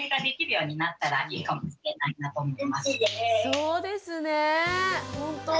そうですね。